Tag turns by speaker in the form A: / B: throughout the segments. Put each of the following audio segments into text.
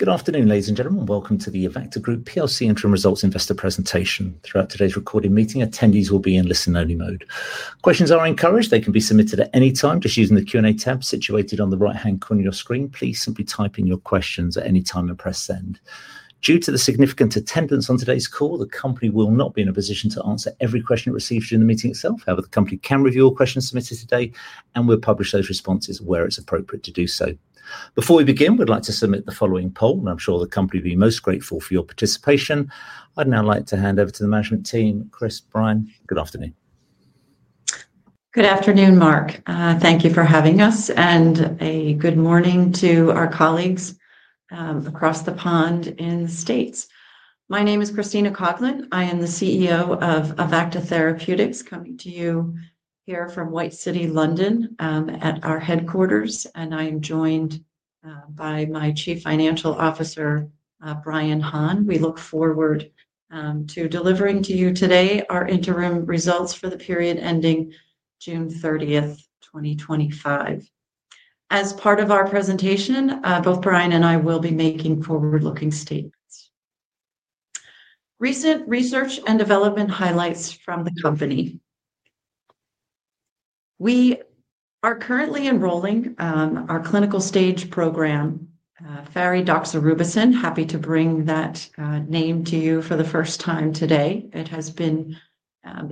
A: Good afternoon ladies and gentlemen. Welcome to the Avacta Group Plc Interim Results Investor presentation. Throughout today's recorded meeting, attendees will be in listen only mode. Questions are encouraged. They can be submitted at any time just using the Q&A tab situated on the right hand corner of your screen. Please simply type in your questions at any time and press send. Due to the significant attendance on today's call, the company will not be in a position to answer every question it receives during the meeting itself. However, the company can review all questions submitted today and will publish those responses where it's appropriate to do so. Before we begin, we'd like to submit the following poll and I'm sure the company will be most grateful for your participation. I'd now like to hand over to the management team. Christina Coughlin, Brian Hahn. Good afternoon.
B: Good afternoon Mark, thank you for having us and a good morning to our colleagues across the pond in the States. My name is Christina Coughlin. I am the CEO of Avacta Group Plc coming to you here from White City, London at our headquarters and I am joined by my Chief Financial Officer Brian Hahn. We look forward to delivering to you today our interim results for the period ending June 30, 2025. As part of our presentation, both Brian and I will be making forward looking statements. Recent research and development highlights from the company. We are currently enrolling our clinical stage program Faridoxorubicin. Happy to bring that name to you for the first time today. It has been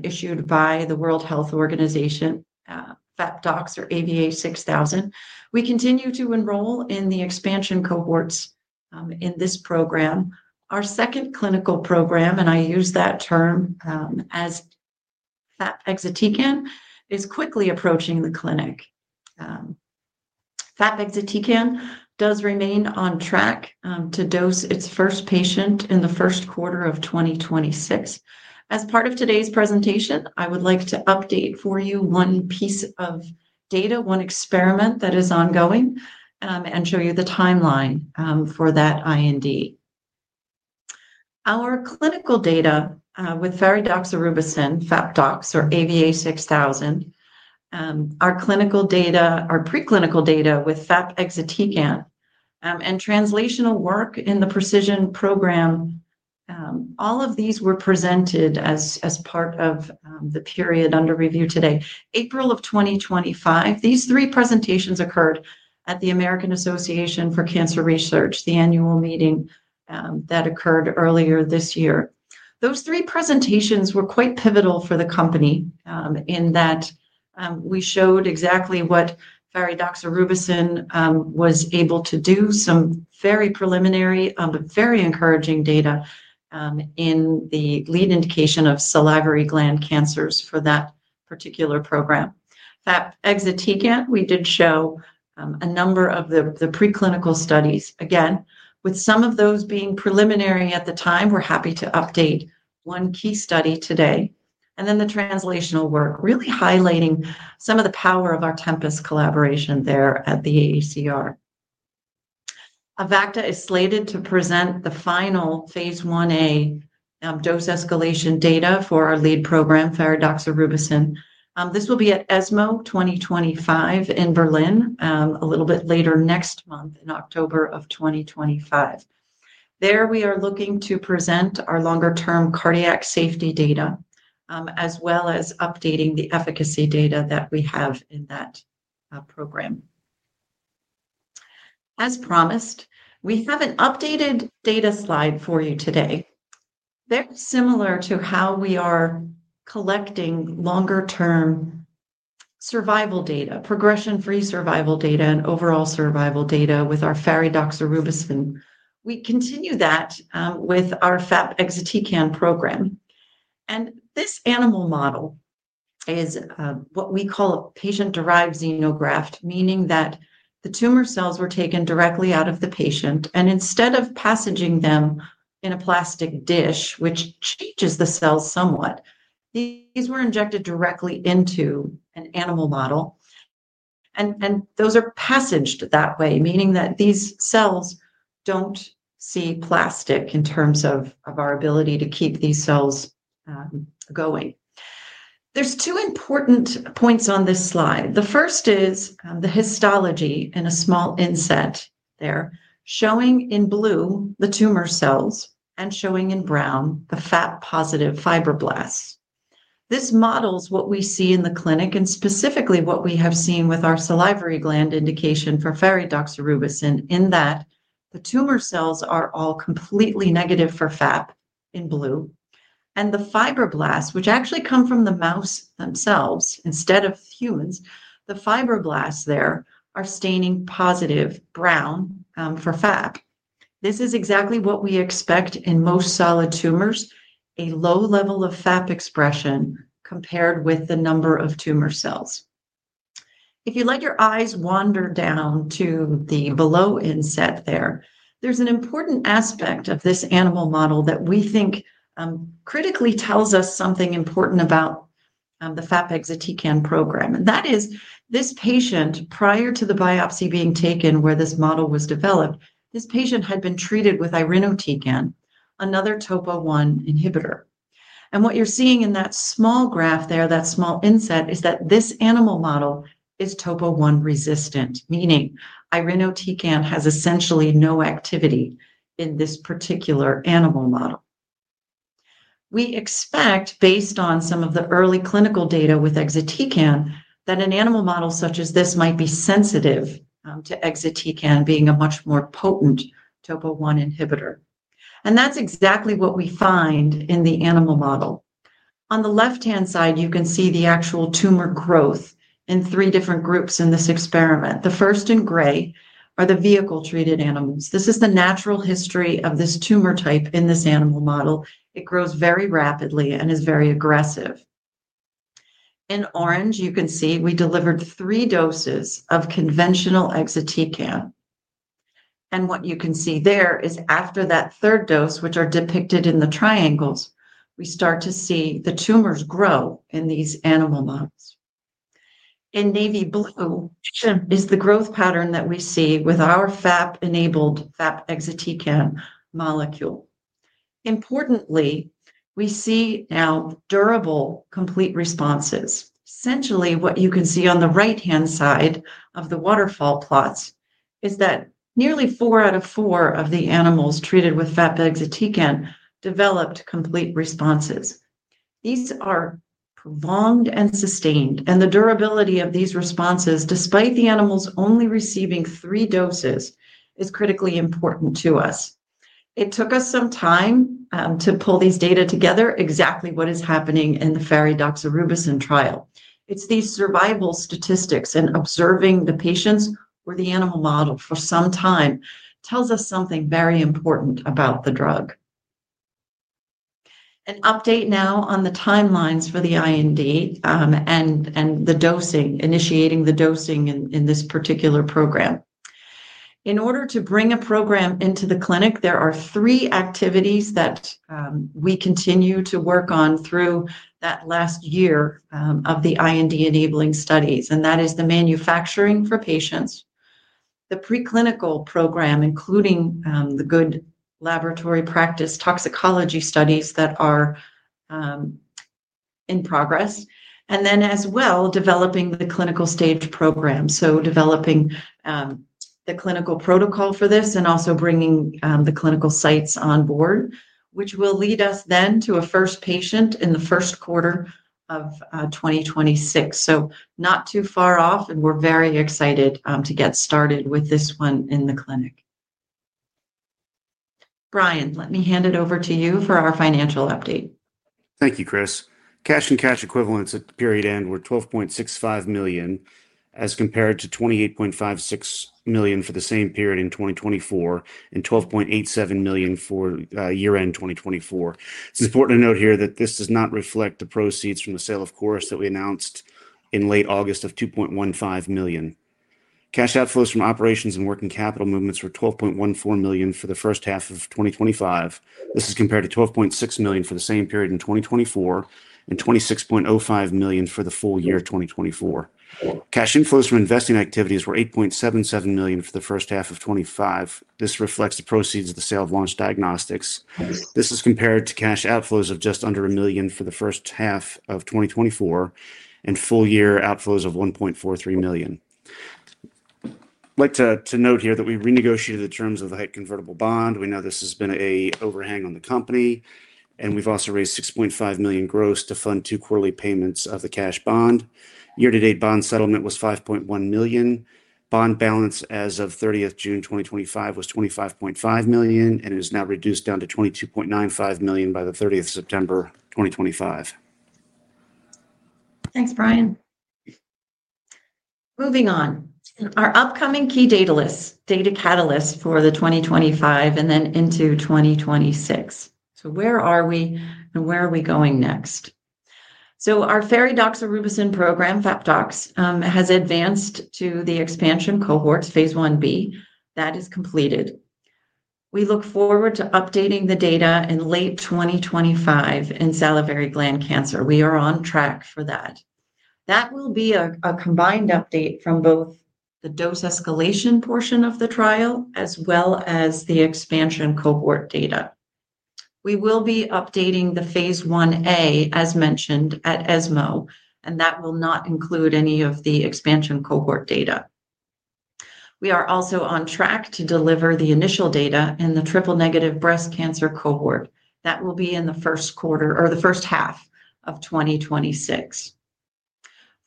B: issued by the World Health Organization, Faridoxorubicin or AVA6000. We continue to enroll in the expansion cohorts in this program. Our second clinical program, and I use that term as AVA6103 is quickly approaching the clinic. AVA6103 does remain on track to dose its first patient in the first quarter of 2026. As part of today's presentation I would like to update for you one piece of data, one experiment that is ongoing and show you the timeline for that IND, our clinical data with Faridoxorubicin, FAP-DOX or AVA6000, our clinical data, our preclinical data with AVA6103 and translational work in the pre|CISION peptide drug conjugate platform. All of these were presented as part of the period under review. Today, April of 2025. These three presentations occurred at the American Association for Cancer Research, the annual meeting that occurred earlier this year. Those three presentations were quite pivotal for the company in that we showed exactly what Faridoxorubicin was able to do. Some very preliminary but very encouraging data in the lead indication of salivary gland cancers. For that particular program, AVA6103, we did show a number of the preclinical studies again, with some of those being preliminary at the time. We're happy to update one key study today and then the translational work, really highlighting some of the power of our Tempus collaboration there at the AACR. Avacta Group Plc is slated to present the final phase 1a dose escalation data for our lead program, Faridoxorubicin. This will be at ESMO 2025 in Berlin a little bit later next month in October of 2025. There we are looking to present our longer term cardiac safety data as well as updating the efficacy data that we have in that program. As promised, we have an updated data slide for you today, very similar to how we are collecting longer term survival data, progression free survival data, and overall survival data with our AVA6000. We continue that with our AVA6103 program. This animal model is what we call a patient derived xenograft, meaning that the tumor cells were taken directly out of the patient and instead of passaging them in a plastic dish, which changes the cells somewhat, these were injected directly into an animal model and those are passaged that way, meaning that these cells don't see plastic. In terms of our ability to keep these cells going, there are two important points on this slide. The first is the histology in a small inset there, showing in blue the tumor cells and showing in brown the FAP positive fibroblasts. This models what we see in the clinic and specifically what we have seen with our salivary gland indication for AVA6000, in that the tumor cells are all completely negative for FAP in blue. The fibroblasts, which actually come from the mouse themselves instead of humans, the fibroblasts there are staining positive brown for FAP. This is exactly what we expect in most solid tumors, a low level of FAP expression compared with the number of tumor cells. If you let your eyes wander down to the below inset there, there's an important aspect of this animal model that we think critically tells us something important about the AVA6103 program. That is this patient, prior to the biopsy being taken where this model was developed, had been treated with irinotecan, another topo1 inhibitor. What you're seeing in that small graph there, that small inset, is that this animal model is topo1 resistant, meaning irinotecan has essentially no activity in this particular animal model. We expect based on some of the early clinical data with AVA6103 that an animal model such as this might be sensitive to AVA6103 being a much more potent topo1 inhibitor. That's exactly what we find in the animal model. On the left hand side you can see the actual tumor growth in three different groups in this experiment. The first in gray are the vehicle treated animals. This is the natural history of this tumor type in this animal model. It grows very rapidly and is very aggressive. In orange you can see we delivered three doses of conventional Exatecan and what you can see there is after that third dose, which are depicted in the triangles, we start to see the tumors grow in these animal models. In navy blue is the growth pattern that we see with our FAP-enabled FAP Exatecan molecule. Importantly, we see now durable complete responses. Essentially what you can see on the right-hand side of the waterfall plots is that nearly four out of four of the animals treated with FAP Exatecan developed complete responses. These are prolonged and sustained, and the durability of these responses despite the animals only receiving three doses is critically important to us. It took us some time to pull these data together. Exactly what is happening in the Faridoxorubicin trial. It's these survival statistics and observing the patients or the animal model for some time tells us something very important about the drug. An update now on the timelines for the IND and the dosing, initiating the dosing in this particular program in order to bring a program into the clinic. There are three activities that we continue to work on through that last year of the IND-enabling studies and that is the manufacturing for patients, the preclinical program, including the good laboratory practice toxicology studies that are in progress, and then as well developing the clinical stage program. Developing the clinical protocol for this and also bringing the clinical sites on board, which will lead us then to a first patient in the first quarter of 2026. Not too far off and we're very excited to get started with this one in the clinic. Brian, let me hand it over to you for our financial update.
C: Thank you, Chris. Cash and cash equivalents at period end were £12.65 million as compared to £28.56 million for the same period in 2024 and £12.87 million for year end 2024. It's important to note here that this does not reflect the proceeds from the sale, of course, that we announced in late August of £2.15 million. Cash outflows from operations and working capital movements were £12.14 million for the first half of 2025. This is compared to £12.6 million for the same period in 2024 and £26.05 million for the full year 2024. Cash inflows from investing activities were £8.77 million for 1H25. This reflects the proceeds of the sale of Launch Diagnostics. This is compared to cash outflows of just under £1 million for the first half of 2024 and full year outflows of £1.43 million. I'd like to note here that we renegotiated the terms of the Hike convertible bond. We know this has been an overhang on the company and we've also raised £6.5 million gross to fund two quarterly payments of the cash bond year to date. Bond settlement was £5.1 million. Bond balance as of 30 June 2025 was £25.5 million and is now reduced down to £22.95 million by 30 September 2025.
B: Thanks Brian. Moving on, our upcoming key data catalysts for 2025 and then into 2026. Where are we and where are we going next? Our Faridoxorubicin program, FAP-DOX, has advanced to the expansion cohort phase 1B that is completed. We look forward to updating the data in late 2025 in salivary gland cancer. We are on track for that. That will be a combined update from both the dose escalation portion of the trial as well as the expansion cohort data. We will be updating the phase 1A as mentioned at ESMO 2025, and that will not include any of the expansion cohort data. We are also on track to deliver the initial data in the triple negative breast cancer cohort. That will be in the first quarter or the first half of 2026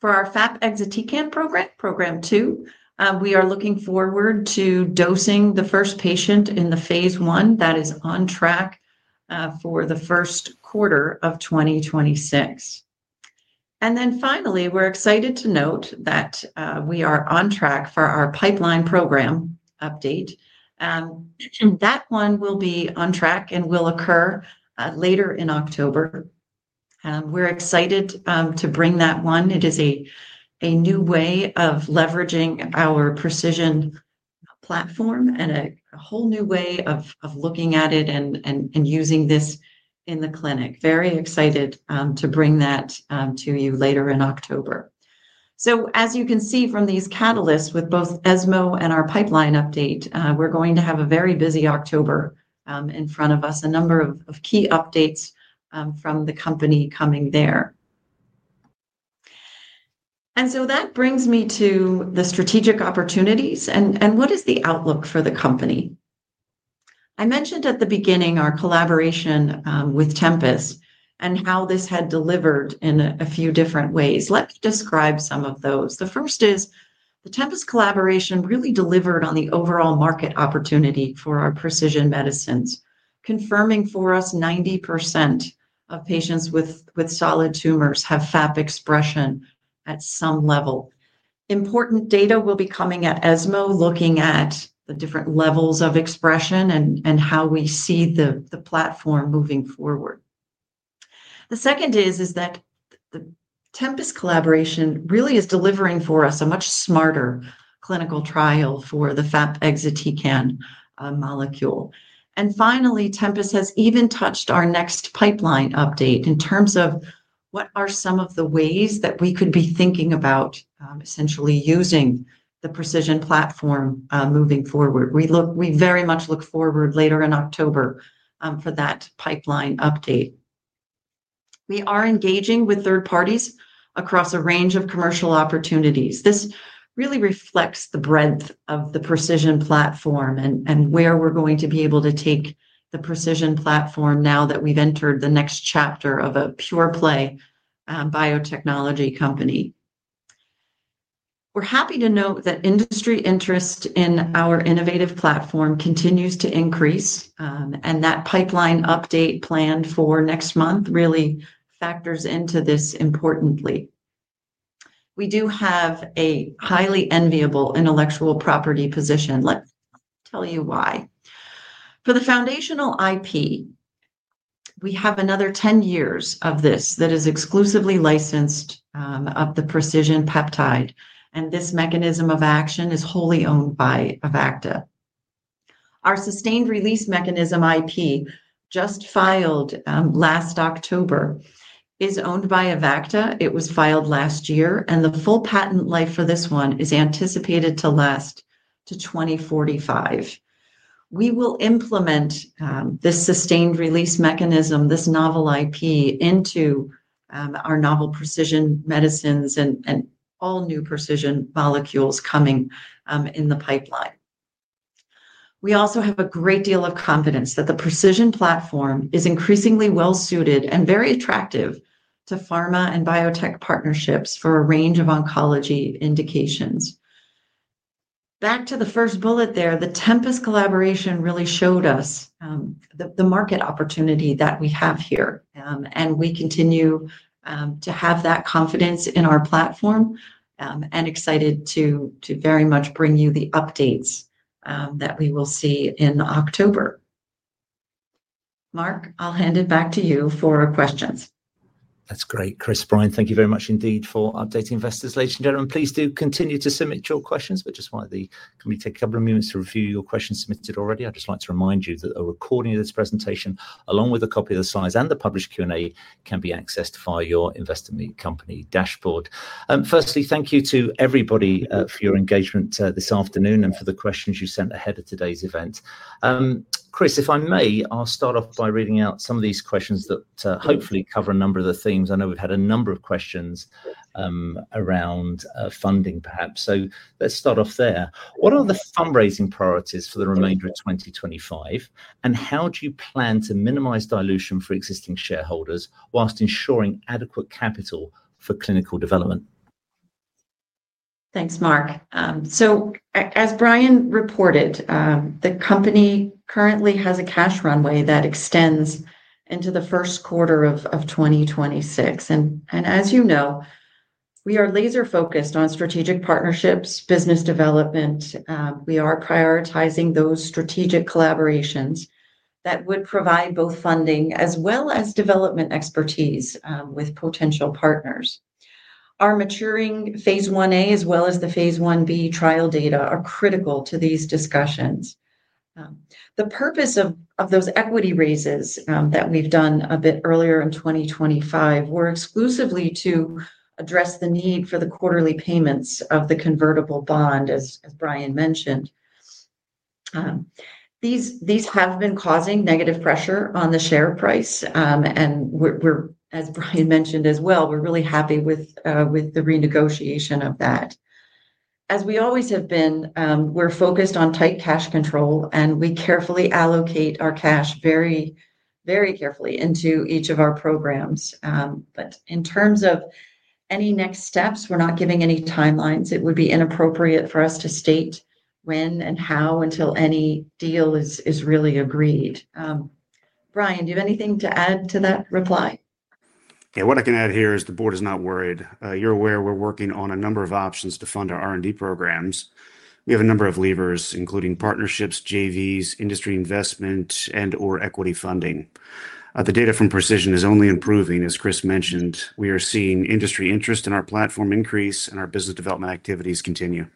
B: for our FAP Exatecan program, program two. We are looking forward to dosing the first patient in the phase one that is on track for the first quarter of 2026. Finally, we're excited to note that we are on track for our pipeline program update. That one will be on track and will occur later in October. We're excited to bring that one. It is a new way of leveraging our pre|CISION peptide drug conjugate platform and a whole new way of looking at it and using this in the clinic. Very excited to bring that to you later in October. As you can see from these catalysts, with both ESMO 2025 and our pipeline update, we're going to have a very busy October in front of us. A number of key updates from the company coming there. That brings me to the strategic opportunities and what is the outlook for the company. I mentioned at the beginning our collaboration with Tempus and how this had delivered in a few different ways. Let's describe some of those. The first is the Tempus collaboration really delivered on the overall market opportunity for our precision medicines, confirming for us 90% of patients with solid tumors have FAP expression at some level. Important data will be coming at ESMO 2025 looking at the different levels of expression and how we see the platform moving forward. The second is that the Tempus collaboration really is delivering for us a much smarter clinical trial for the FAP Exatecan molecule. Finally, Tempus has even touched our next pipeline update in terms of what are some of the ways that we could be thinking about essentially using the pre|CISION peptide drug conjugate platform moving forward. We very much look forward later in October for that pipeline update. We are engaging with third parties across a range of commercial opportunities. This really reflects the breadth of the pre|CISION peptide drug conjugate platform and where we're going to be able to take the pre|CISION peptide drug conjugate platform. Now that we've entered the next chapter of a pure play biotechnology company, we're happy to note that industry interest in our innovative platform continues to increase and that pipeline update planned for next month really factors into this. Importantly, we do have a highly enviable intellectual property position. Tell you why. For the foundational IP, we have another 10 years of this that is exclusively licensed of the pre|CISION peptide, and this mechanism of action is wholly owned by Avacta Group Plc. Our sustained release mechanism IP just filed last October is owned by Avacta Group Plc. It was filed last year and the full patent life for this one is anticipated to last to 2045. We will implement this sustained release mechanism, this novel IP into our novel pre|CISION medicines and all new pre|CISION molecules coming in the pipeline. We also have a great deal of confidence that the pre|CISION peptide drug conjugate platform is increasingly well suited and very attractive to pharma and biotech partnerships for a range of oncology indications. Back to the first bullet there. The Tempus collaboration really showed us the market opportunity that we have here and we continue to have that confidence in our platform and excited to very much bring you the updates that we will see in October. Mark, I'll hand it back to you for questions.
A: That's great, Christina. Brian, thank you very much indeed for updating investors. Ladies and gentlemen, please do continue to submit your questions. Take a couple of minutes to review your questions submitted already. I'd just like to remind you that a recording of this presentation, along with a copy of the slides and the published Q&A, can be accessed via your Investor Meet company dashboard. Firstly, thank you to everybody for your engagement this afternoon and for the questions you sent ahead of today's event. Christina, if I may, I'll start off by reading out some of these questions that hopefully cover a number of the themes. I know we've had a number of questions around funding, perhaps, so start off there. What are the fundraising priorities for the remainder of 2025? How do you plan to minimize dilution for existing shareholders whilst ensuring adequate capital for clinical development?
B: Thanks, Mark. As Brian reported, the company currently has a cash runway that extends into the first quarter of 2026. As you know, we are laser focused on strategic partnerships and business development. We are prioritizing those strategic collaborations that would provide both funding as well as development expertise with potential partners. Our maturing phase 1a as well as the phase 1b trial data are critical to these discussions. The purpose of those equity raises that we've done a bit earlier in 2025 was exclusively to address the need for the quarterly payments of the convertible bond. As Brian mentioned, these have been causing negative pressure on the share price and, as Brian mentioned as well, we're really happy with the renegotiation of that. As we always have been, we're focused on tight cash control and we carefully allocate our cash very, very carefully into each of our programs. In terms of any next steps, we're not giving any timelines. It would be inappropriate for us to state when and how until any deal is really agreed. Brian, do you have anything to add to that reply?
C: Yeah, what I can add here is the board is not worried. You're aware we're working on a number of options to fund our R&D programs. We have a number of levers, including partnerships, JVs, industry investment, and or equity funding. The data from pre|CISION is only improving. As Chris mentioned, we are seeing industry interest in our platform increase, and our business development activities continue.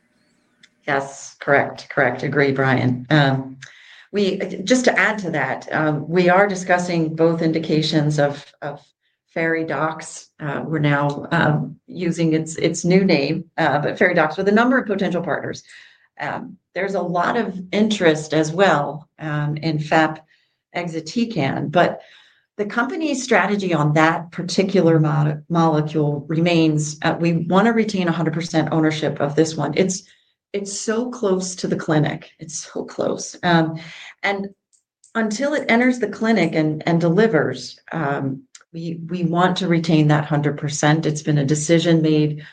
B: Yes, correct, correct. Agree, Brian. Just to add to that, we are discussing both indications of AVA6000. We're now using its new name, but AVA6000 with a number of potential partners. There's a lot of interest as well in AVA6103, but the company's strategy on that particular molecule remains. We want to retain 100% ownership of this one. It's so close to the clinic. It's so close. Until it enters the clinic and delivers, we want to retain that 100%. It's been a decision made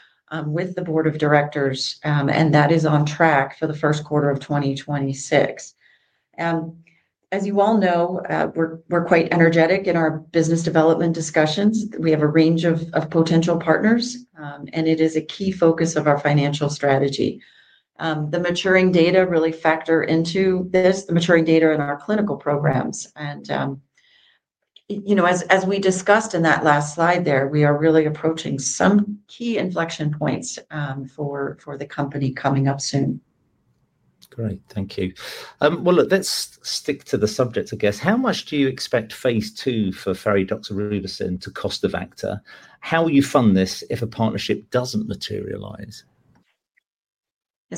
B: with the Board of Directors and that is on track for the first quarter of 2026. As you all know, we're quite energetic in our business development discussions. We have a range of potential partners and it is a key focus of our financial strategy. The maturing data really factor into this, the maturing data in our clinical programs. As we discussed in that last slide there, we are really approaching some key inflection points for the company coming up soon.
A: Great, thank you. Let's stick to the subject, I guess. How much do you expect phase two for AVA6000 to cost Avacta? How will you fund this if a partnership doesn't materialize?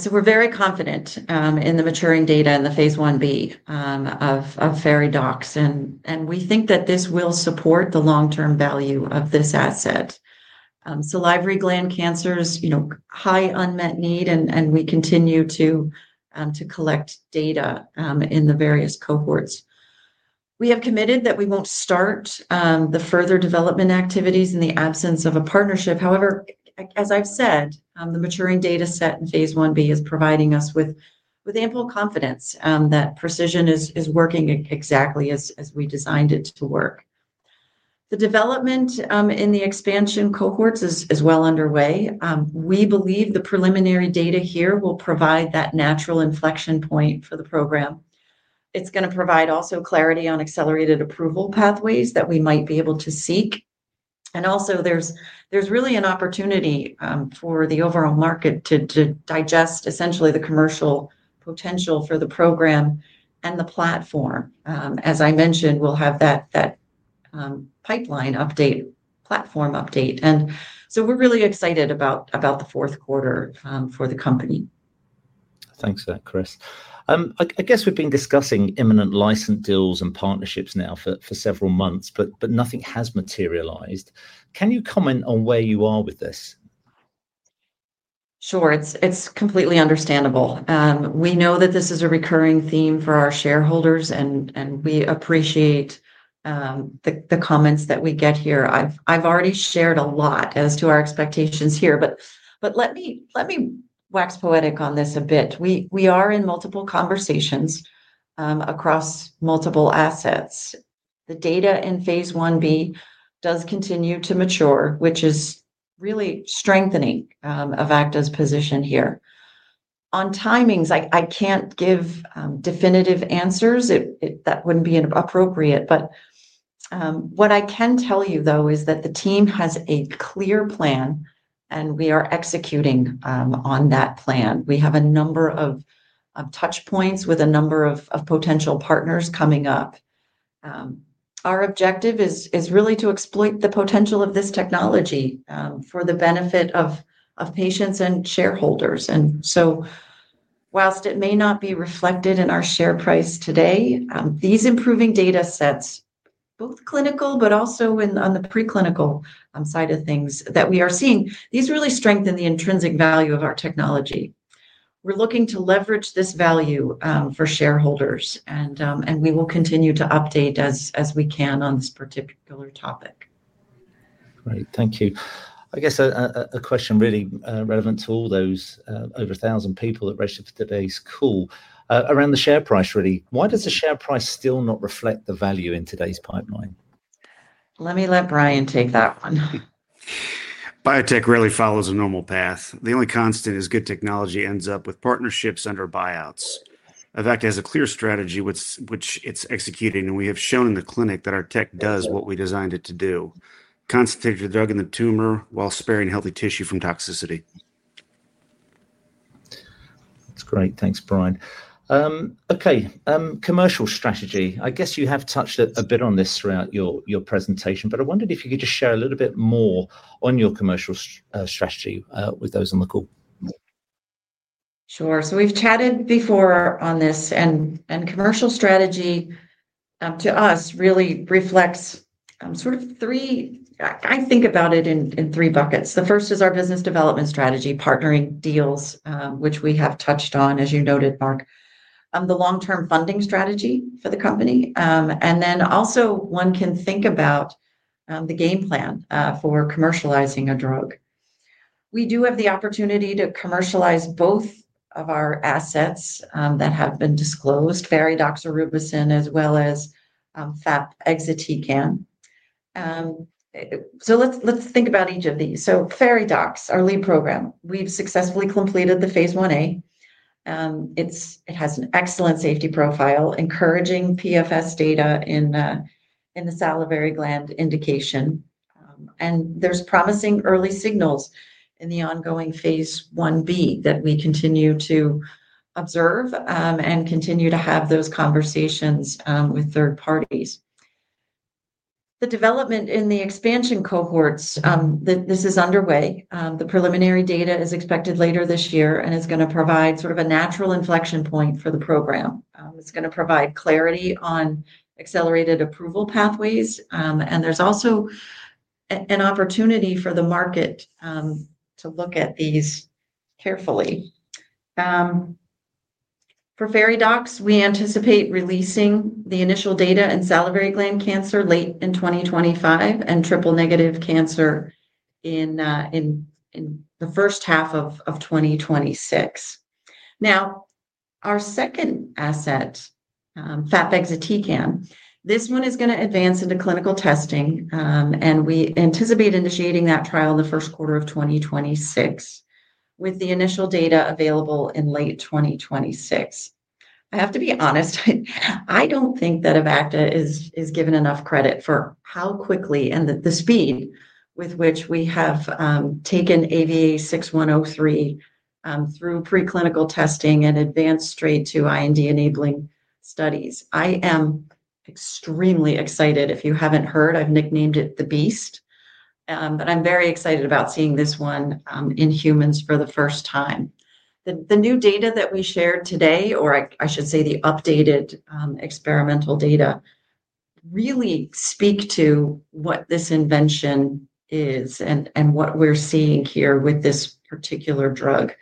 B: We are very confident in the maturing data in the Phase 1B of AVA6000 and we think that this will support the long-term value of this asset. Salivary gland cancer is a high, high unmet need. We continue to collect data in the various cohorts. We have committed that we won't start the further development activities in the absence of a partnership. However, as I've said, the maturing data set in Phase 1B is providing us with ample confidence that pre|CISION is working exactly as we designed it to work. The development in the expansion cohorts is well underway. We believe the preliminary data here will provide that natural inflection point for the program. It is going to provide also clarity on accelerated approval pathways that we might be able to seek. There is really an opportunity for the overall market to digest essentially the commercial potential for the program and the platform. As I mentioned, we will have that pipeline update, platform update. We are really excited about the fourth quarter for the company.
A: Thanks for that, Chris. I guess we've been discussing imminent license deals and partnerships now for several months, but nothing has materialized. Can you comment on where you are with this?
B: Sure. It's completely understandable. We know that this is a recurring theme for our shareholders and we appreciate the comments that we get here. I've already shared a lot as to our expectations here, but let me wax poetic on this a bit. We are in multiple conversations across multiple assets. The data in Phase 1B does continue to mature, which is really strengthening Avacta Group Plc's position here on timings. I can't give definitive answers, that wouldn't be appropriate, but what I can tell you though is that the team has a clear plan and we are executing on that plan. We have a number of touch points with a number of potential partners coming up. Our objective is really to exploit the potential of this technology for the benefit of patients and shareholders. Whilst it may not be reflected in our share price today, these improving data sets, both clinical but also on the preclinical side of things that we are seeing, these really strengthen the intrinsic value of our technology. We're looking to leverage this value for shareholders and we will continue to update as we can on this particular topic.
A: Great, thank you. I guess a question really relevant to all those over 1,000 people that registered today's call is around the share price.
C: Really?
A: Why does the share price still not reflect the value in today's pipeline?
B: Let me let Brian Hahn take that one.
C: Biotech rarely follows a normal path. The only constant is good technology ends up with partnerships under buyouts. Avacta Group Plc has a clear strategy which it's executing, and we have shown in the clinic that our tech does what we designed it to do: concentrate the drug in the tumor while sparing healthy tissue from toxicity.
A: That's great. Thanks, Brian. Okay, commercial strategy, I guess you have touched a bit on this throughout your presentation, but I wondered if you could just share a little bit more on your commercial strategy with those on the call.
B: Sure. We've chatted before on this and commercial strategy to us really reflects sort of three, I think about it in three buckets. The first is our business development strategy, partnering deals which we have touched on, as you noted, Mark, the long term funding strategy for the company. One can also think about the game plan for commercializing a drug. We do have the opportunity to commercialize both of our assets that have been disclosed, AVA6000 as well as AVA6103. Let's think about each of these. AVA6000, our lead program, we've successfully completed the Phase 1A. It has an excellent safety profile, encouraging PFS data in the salivary gland indication, and there's promising early signals in the ongoing Phase 1B that we continue to observe and continue to have those conversations with third parties. The development in the expansion cohorts is underway. The preliminary data is expected later this year and is going to provide a natural inflection point for the program. It's going to provide clarity on accelerated approval pathways and there's also an opportunity for the market to look at these carefully. For AVA6000, we anticipate releasing the initial data in salivary gland cancer late in 2025 and triple negative cancer in the first half of 2026. Now, our second asset, AVA6103. This one is going to advance into clinical testing and we anticipate initiating that trial in the first quarter of 2026 with the initial data available in late 2026. I have to be honest, I don't think that Avacta Group Plc is given enough credit for how quickly and the speed with which we have taken AVA6103 through preclinical testing and advanced straight to IND enabling studies. I am extremely excited, if you haven't heard. I've nicknamed it the Beast. I'm very excited about seeing this one in humans for the first time. The new data that we shared today, or I should say the updated experimental data, really speak to what this invention is and what we're seeing here with this particular drug.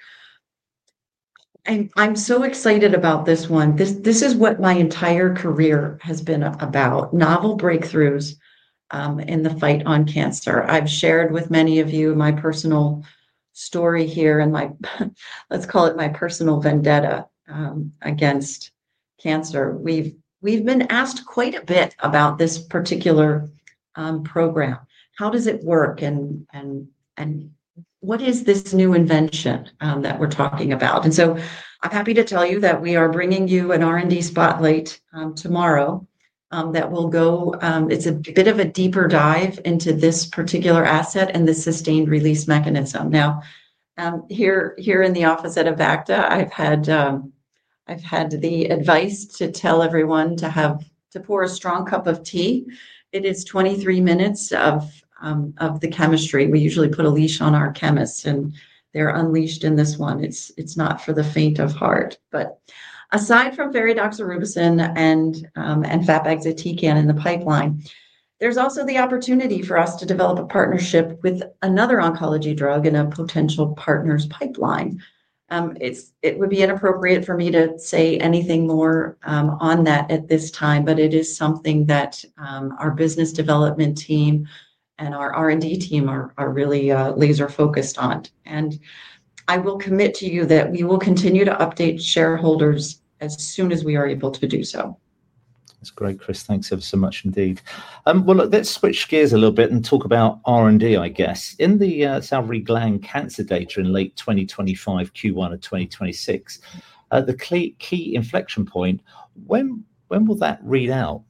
B: I'm so excited about this one. This is what my entire career has been about, novel breakthroughs in the fight on cancer. I've shared with many of you my personal story here, and let's call it my personal vendetta against cancer. We've been asked quite a bit about this particular program. How does it work and what is this new invention that we're talking about? I'm happy to tell you that we are bringing you an R&D spotlight tomorrow that will go. It's a bit of a deeper dive into this particular asset and the sustained release mechanism. Here in the office at Avacta, I've had the advice to tell everyone to pour a strong cup of tea. It is 23 minutes of the chemistry. We usually put a leash on our chemists, and they're unleashed in this one. It's not for the faint of heart, but aside from AVA6000 and AVA6103 in the pipeline, there's also the opportunity for us to develop a partnership with another oncology drug in a potential partner's pipeline. It would be inappropriate for me to say anything more on that at this time, but it is something that our Business Development team and our R&D team are really laser focused on. I will commit to you that we will continue to update shareholders as soon as we are able to do so.
A: That's great, Chris. Thanks ever so much. Indeed, let's switch gears a little bit and talk about R&D. I guess in the salivary gland cancer data in late 2025, Q1 of 2026, the key inflection point. When will that read out?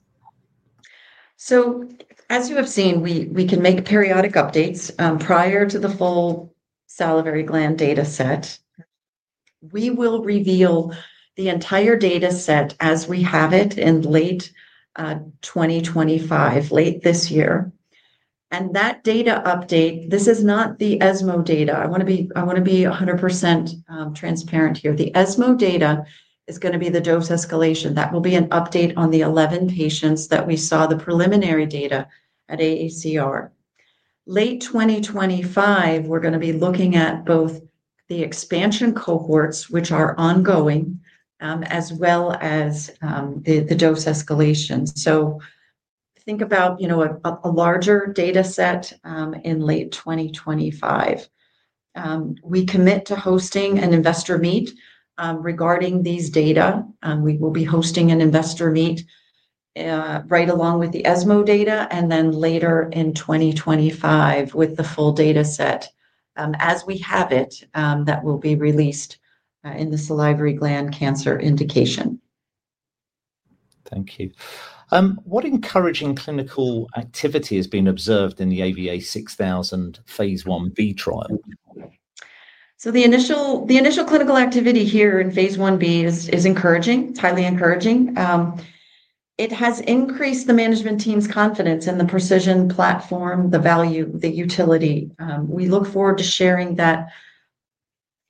B: As you have seen, we can make periodic updates prior to the full salivary gland data set. We will reveal the entire data set as we have it in late 2025, late this year. That data update is not the ESMO data. I want to be 100% transparent here. The ESMO data is going to be the dose escalation. That will be an update on the 11 patients that we saw the preliminary data at AACR late 2025. We're going to be looking at both the expansion cohorts, which are ongoing, as well as the dose escalations. Think about a larger data set in late 2025. We commit to hosting an investor meet regarding these data. We will be hosting an investor meet right along with the ESMO data and then later in 2025 with the full data set, as we have it, that will be released in the salivary gland cancer indication.
A: Thank you. What encouraging clinical activity has been observed in the AVA6000 Phase 1b trial?
B: The initial clinical activity here in Phase 1b is encouraging. It's highly encouraging. It has increased the management team's confidence in the pre|CISION peptide drug conjugate platform, the value, the utility. We look forward to sharing that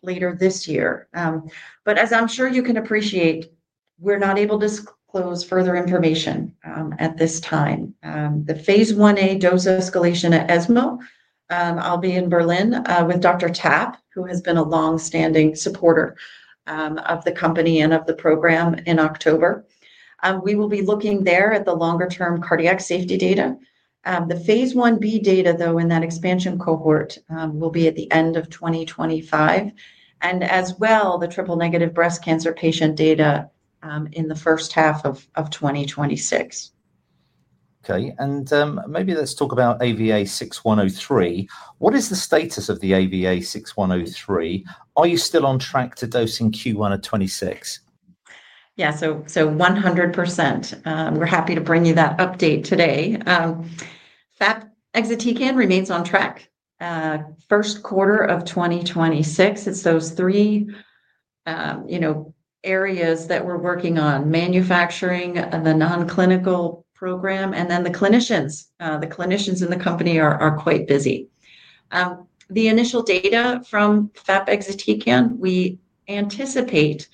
B: later this year. As I'm sure you can appreciate, we're not able to disclose further information at this time. The Phase 1a dose escalation at ESMO 2025. I'll be in Berlin with Dr. Taff, who has been a long-standing supporter of the company and of the program in October. We will be looking there at the longer-term cardiac safety data. The Phase 1b data, though, in that expansion cohort will be at the end of 2025 and as well the triple negative breast cancer patient data in the first half of 2026.
A: Okay, maybe let's talk about AVA6103. What is the status of the AVA6103? Are you still on track to dose in Q1 of 2026?
B: Yeah, 100%. We're happy to bring you that update today. AVA6103 remains on track. First quarter of 2026, it's those three areas that we're working on: manufacturing, the nonclinical program, and then the clinicians. The clinicians in the company are quite busy. The initial data from AVA6103, we anticipate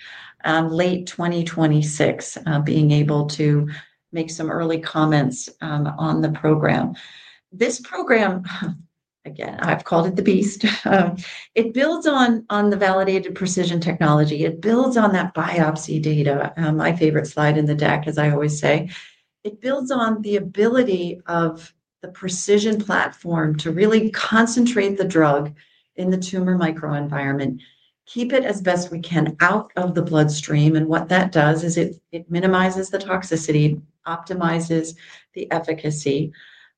B: late 2026 being able to make some early comments on the program. This program, again, I've called it the Beast. It builds on the validated pre|CISION technology. It builds on that biopsy data. My favorite slide in the deck, as I always say, it builds on the ability of the pre|CISION platform to really concentrate the drug in the tumor microenvironment, keep it as best we can out of the bloodstream. What that does is it minimizes the toxicity, optimizes the efficacy.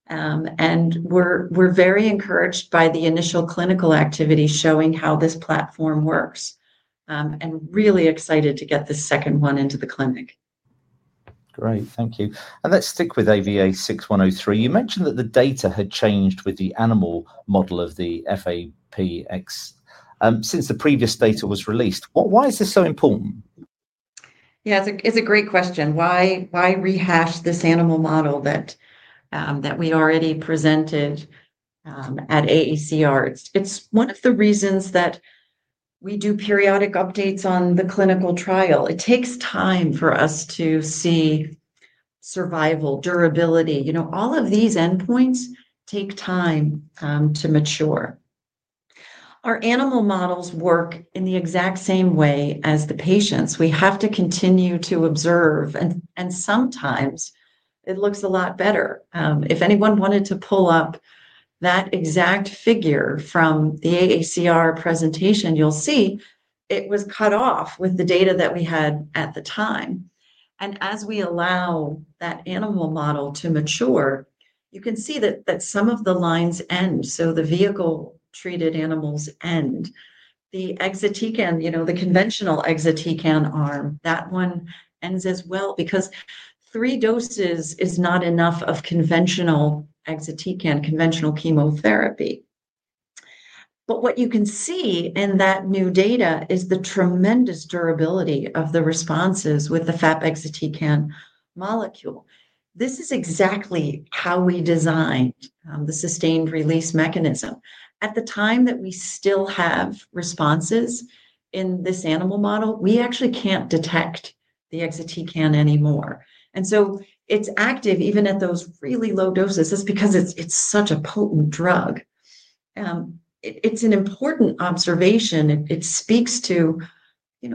B: We're very encouraged by the initial clinical activity showing how this platform works and really excited to get the second one into the clinic.
A: Great, thank you. Let's stick with AVA6103. You mentioned that the data had changed with the animal model of the FAP since the previous data was released. Why is this so important?
B: Yeah, it's a great question. Why rehash this animal model that we already presented at AACR? It's one of the reasons that we do periodic updates on the clinical trial. It takes time for us to see survival durability. All of these endpoints take time to mature. Our animal models work in the exact same way as the patients. We have to continue to observe, and sometimes it looks a lot better. If anyone wanted to pull up that exact figure from the AACR presentation, you'll see it was cut off with the data that we had at the time. As we allow that animal model to mature, you can see that some of the lines end. The vehicle treated animals and the Exatecan, you know, the conventional Exatecan arm, that one ends as well because three doses is not enough of conventional Exatecan, conventional chemotherapy. What you can see in that new data is the tremendous durability of the responses with the FAP Exatecan molecule. This is exactly how we designed the sustained release mechanism. At the time that we still have responses in this animal model, we actually can't detect the Exatecan anymore. It's active even at those really low doses. That's because it's such a potent drug. It's an important observation. It speaks to,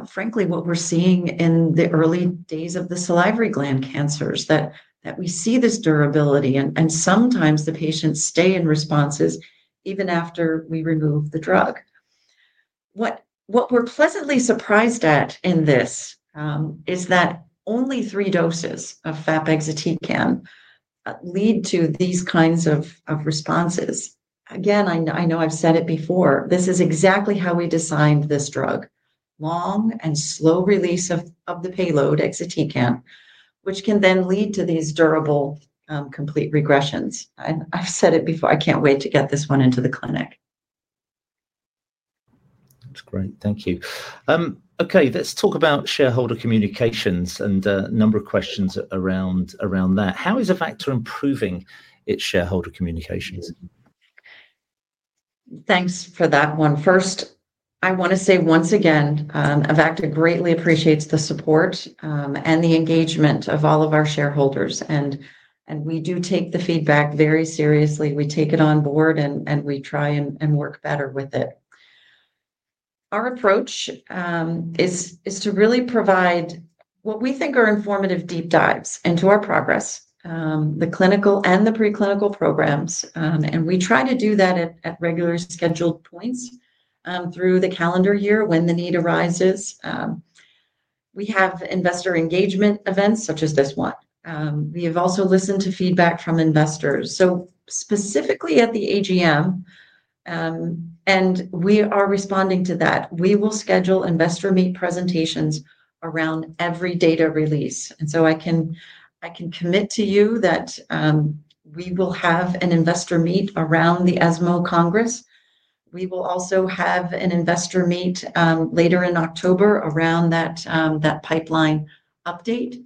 B: frankly, what we're seeing in the early days of the salivary gland cancers that we see this durability. Sometimes the patients stay in responses even after we remove the drug. What we're pleasantly surprised at in this is that only three doses of FAP Exatecan lead to these kinds of responses. Again, I know I've said it before. This is exactly how we designed this drug. Long and slow release of the payload Exatecan, which can then lead to these durable complete regressions. I've said it before, I can't wait to get this one into the clinic.
A: That's great. Thank you. Okay, let's talk about shareholder communications and a number of questions around that. How is Avacta improving its shareholder communications?
B: Thanks for that one. First, I want to say once again, Avacta Group Plc greatly appreciates the support and the engagement of all of our shareholders and we do take the feedback very seriously. We take it on board and we try and work better with it. Our approach is to really provide what we think are informative deep dives into our progress, the clinical and the preclinical programs. We try to do that at regular scheduled points through the calendar year when the need arises. We have investor engagement events such as this one. We have also listened to feedback from investors, specifically at the AGM, and we are responding to that. We will schedule investor meet presentations around every data release. I can commit to you that we will have an investor meet around the ESMO 2025 Congress. We will also have an investor meet later in October around that pipeline update.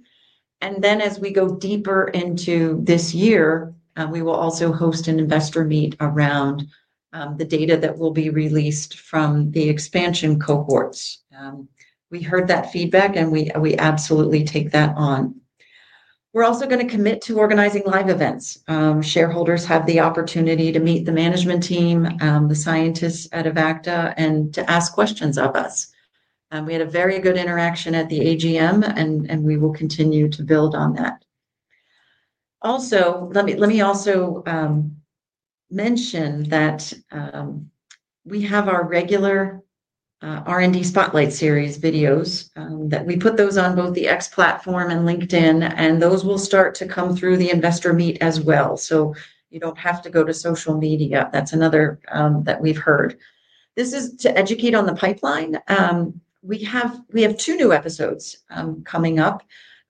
B: As we go deeper into this year, we will also host an investor meet around the data that will be released from the expansion cohorts. We heard that feedback and we absolutely take that on. We're also going to commit to organizing live events. Shareholders have the opportunity to meet the management team, the scientists at Avacta Group Plc, and to ask questions of us. We had a very good interaction at the AGM and we will continue to build on that. Also, let me mention that we have our regular R&D Spotlight series videos that we put on both the X platform and LinkedIn, and those will start to come through the investor meet as well. You don't have to go to social media. That's another thing that we've heard. This is to educate on the pipeline. We have two new episodes coming up.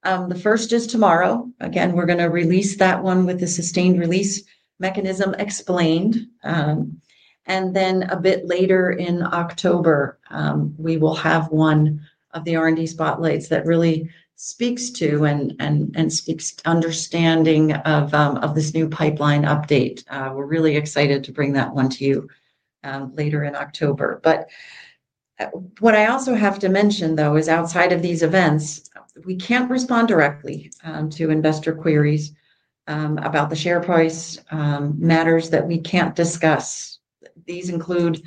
B: The first is tomorrow. We're going to release that one with the sustained release mechanism explained. A bit later in October, we will have one of the R&D Spotlights that really speaks to and speaks understanding of this new pipeline update. We're really excited to bring that one to you later in October. What I also have to mention though is outside of these events, we can't respond directly to investor queries about the share price, matters that we can't discuss. These include,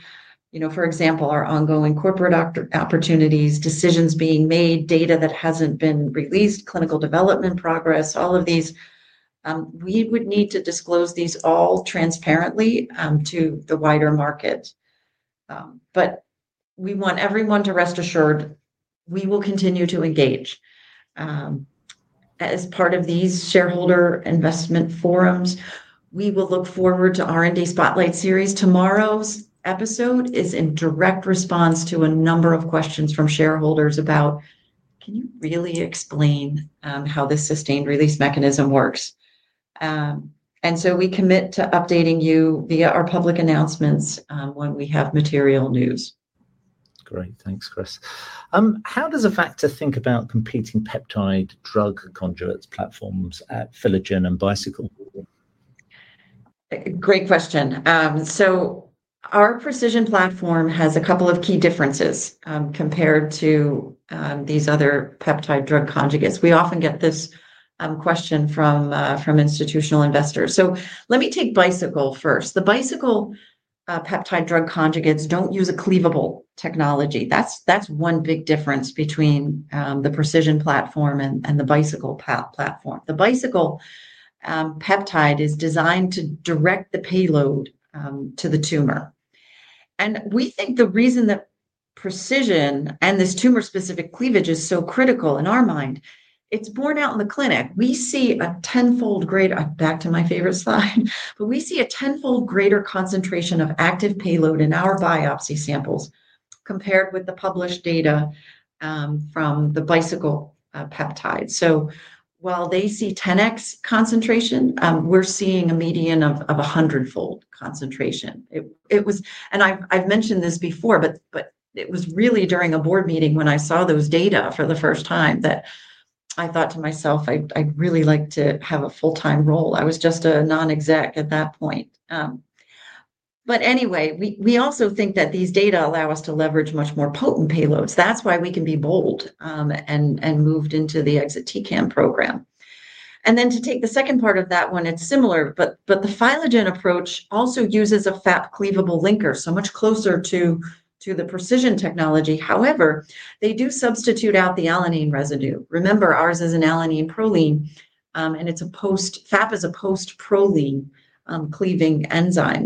B: for example, our ongoing corporate opportunities, decisions being made, data that hasn't been released, clinical development, progress, all of these. We would need to disclose these all transparently to the wider market. We want everyone to rest assured that we will continue to engage as part of these shareholder investment forums. We will look forward to R&D Spotlight series. Tomorrow's episode is in direct response to a number of questions from shareholders about can you really explain how this sustained release mechanism works? We commit to updating you via our public announcements when we have material news.
A: Great. Thanks, Chris. How does Avacta think about competing peptide drug conjugate platforms at Philogen and Bicycle?
B: Great question. Our pre|CISION peptide drug conjugate platform has a couple of key differences compared to these other peptide drug conjugates. We often get this question from institutional investors, so let me take Bicycle first. The Bicycle peptide drug conjugates don't use a cleavable technology. That's one big difference between the pre|CISION platform and the Bicycle platform. The Bicycle peptide is designed to direct the payload to the tumor. We think the reason that pre|CISION and this tumor-specific cleavage is so critical in our mind is it's borne out in the clinic. We see a tenfold greater—back to my favorite slide—we see a tenfold greater concentration of active payload in our biopsy samples compared with the published data from the Bicycle peptide. While they see 10x concentration, we're seeing a median of 100-fold concentration. I've mentioned this before, but it was really during a board meeting when I saw those data for the first time that I thought to myself I'd really like to have a full-time role. I was just a non-exec at that point. We also think that these data allow us to leverage much more potent payloads. That's why we can be bold and move into the Exatecan program. To take the second part of that one, it's similar, but the Philogen approach also uses a FAP cleavable linker, so much closer to the pre|CISION technology. However, they do substitute out the alanine residue. Remember, ours is an alanine proline, and FAP is a post-proline cleaving enzyme.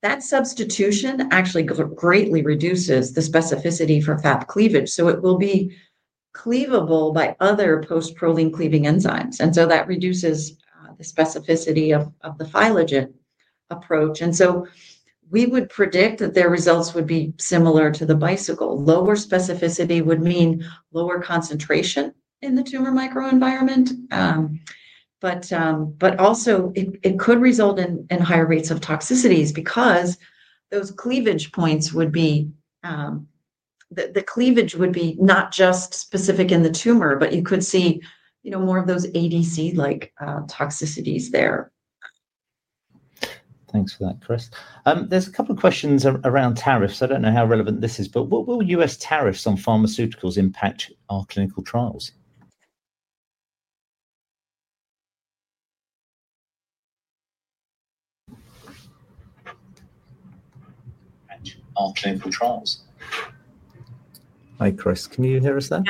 B: That substitution actually greatly reduces the specificity for FAP cleavage, so it will be cleavable by other post-proline cleaving enzymes. That reduces the specificity of the Philogen approach. We would predict that their results would be similar to the Bicycle. Lower specificity would mean lower concentration in the tumor microenvironment, but also it could result in higher rates of toxicities because those cleavage points would be—not just specific in the tumor, but you could see more of those ADC-like toxicities there.
A: Thanks for that, Chris. There's a couple of questions around tariffs. I don't know how relevant this is, but will U.S. tariffs on pharmaceuticals impact our clinical trials? Our clinical trials. Hi, Chris, can you hear us there?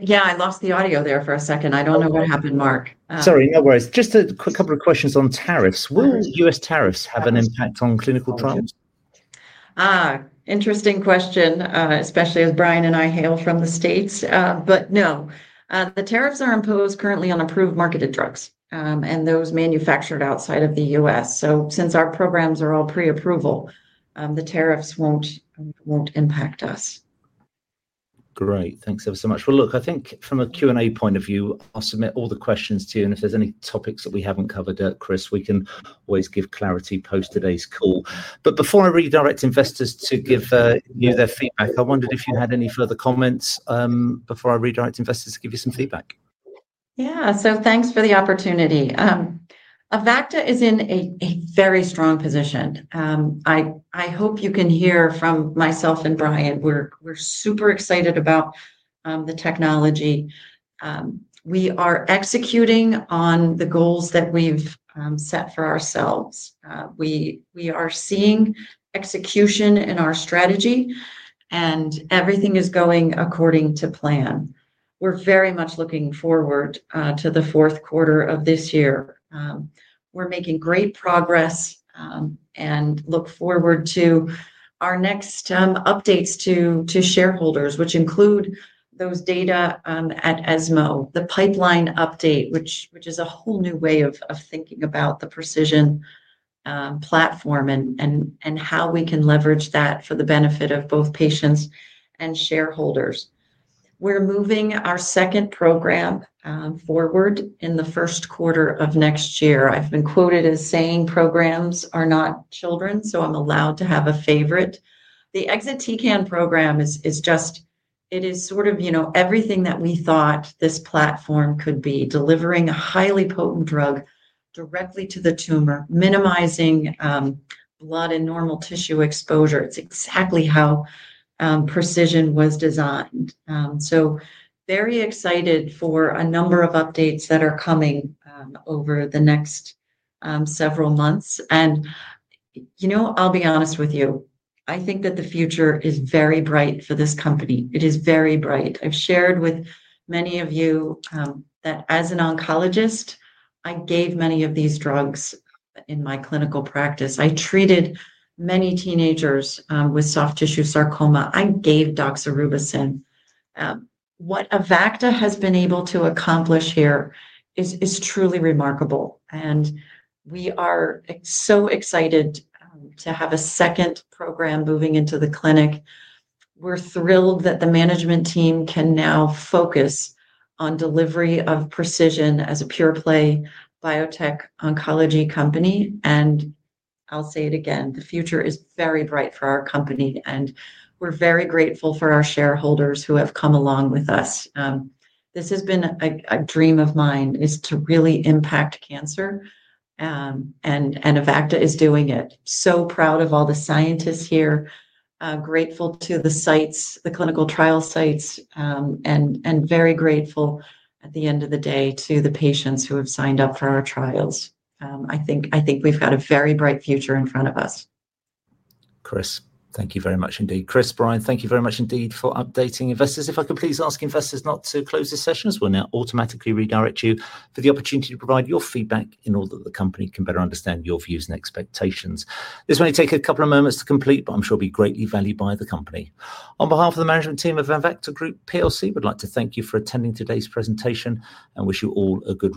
B: Yeah, I lost the audio there for a second. I don't know what happened, Mark.
A: Sorry.
C: No worries.
A: Just a couple of questions on tariffs. Will U.S. tariffs have an impact on clinical trials?
B: Interesting question, especially as Brian and I hail from the U.S. No, the tariffs are imposed currently on approved marketed drugs and those manufactured outside of the U.S., so since our programs are all pre-approval, the tariffs won't impact us.
A: Great. Thanks ever so much. I think from a Q and A point of view, I'll submit all the questions to you, and if there's any topics that we haven't covered, Chris, we can always give clarity post today's call. Before I redirect investors to give you their feedback, I wondered if you had any further comments before I redirect investors to give you some feedback.
B: Yeah. Thanks for the opportunity. Avacta is in a very strong position. I hope you can hear from myself and Brian. We're super excited about the technology. We are executing on the goals that we've set for ourselves. We are seeing execution in our strategy, and everything is going according to plan. We're very much looking forward to the fourth quarter of this year. We're making great progress and look forward to our next updates to shareholders, which include those data at ESMO, the pipeline update, which is a whole new way of thinking about the pre|CISION peptide drug conjugate platform and how we can leverage that for the benefit of both patients and shareholders. We're moving our second program forward in the first quarter of next year. I've been quoted as saying programs are not children, so I'm allowed to have a favorite. The Exatecan program is just, it is sort of, you know, everything that we thought this platform could be. Delivering a highly potent drug directly to the tumor, minimizing blood and normal tissue exposure. It's exactly how pre|CISION was designed. Very excited for a number of updates that are coming over the next several months. I'll be honest with you, I think that the future is very bright for this company. It is very bright. I've shared with you, many of you, that as an oncologist, I gave many of these drugs. In my clinical practice, I treated many teenagers with soft tissue sarcoma. I gave doxorubicin. What Avacta has been able to accomplish here is truly remarkable. We are so excited to have a second program moving into the clinic. We're thrilled that the management team can now focus on delivery of pre|CISION as a pure play biotech oncology company. I'll say it again, the future is very bright for our company and we're very grateful for our shareholders who have come along with us. This has been a dream of mine, is to really impact cancer and Avacta is doing it. So proud of all the scientists here, grateful to the sites, the clinical trial sites, and very grateful at the end of the day to the patients who have signed up for our trials. I think we've got a very bright future in front of us.
A: Chris, thank you very much indeed. Chris, Brian, thank you very much indeed for updating investors. If I could please ask investors not to close this session as we'll now automatically redirect you for the opportunity to provide your feedback in order that the company can better understand your views and expectations. This may take a couple of moments to complete, but I'm sure will be greatly valued by the company. On behalf of the management team of Avacta Group Plc, we'd like to thank you for attending today's presentation and wish you all a good rest.